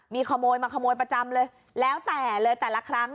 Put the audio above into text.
มีขโมยมาขโมยประจำเลยแล้วแต่เลยแต่ละครั้ง